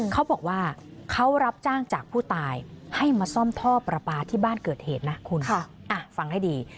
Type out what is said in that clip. เขาบอกว่าเขารับจ้างจากผู้ตายให้มาซ่อมท่อประปาที่บ้านเกิดเหตุนะคุณฟังให้ดี